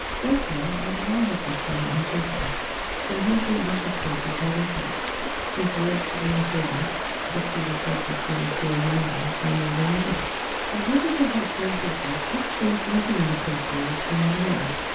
First, then, I deny Hobbes's claim in toto: for he had been anticipated by Des Cartes, whose work De Methodo, preceded Hobbes's De Natura Humana, by more than a year. But what is of much more importance, Hobbes builds nothing on the principle which he had announced.